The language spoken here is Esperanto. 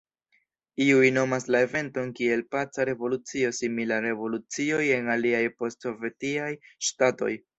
Iuj nomas la eventon kiel paca revolucio simila al revolucioj en aliaj post-sovetiaj ŝtatoj.